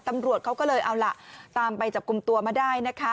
ตำรวจเขาก็เลยเอาล่ะตามไปจับกลุ่มตัวมาได้นะคะ